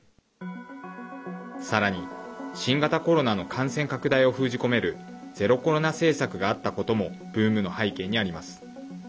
さらに、新型コロナの感染拡大を封じ込めるゼロコロナ政策があったこともブームの背景にあります。